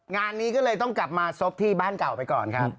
งานนี้ก็เลยต้องกลับมาซบที่บ้านเก่าไปก่อนครับ